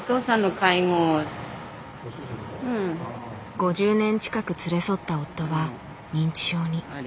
５０年近く連れ添った夫は認知症に。